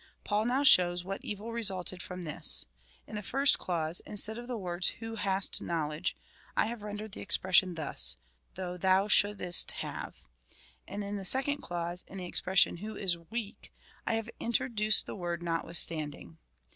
Paul now shows what evil resulted from this. In the first clause, instead of the words who hast knowledge, I have rendered the expression thus — though thou shouldest have ; and in the second clause, in the expres sion who is weak, I have introduced the word notwithstand ing.